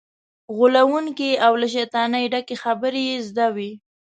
غولونکې او له شیطانت ډکې خبرې یې زده وي.